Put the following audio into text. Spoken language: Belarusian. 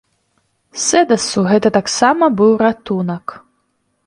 Сэдасу гэта таксама быў ратунак.